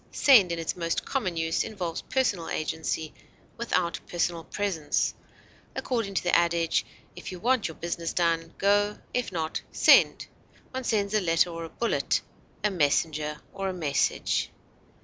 Send in its most common use involves personal agency without personal presence; according to the adage, "If you want your business done, go; if not, send;" one sends a letter or a bullet, a messenger or a message.